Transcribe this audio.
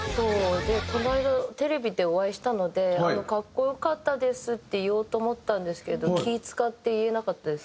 でこの間テレビでお会いしたので「格好良かったです」って言おうと思ったんですけど気ぃ使って言えなかったです。